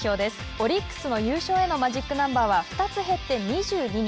オリックスの優勝へのマジックナンバーは２つ減って２２に。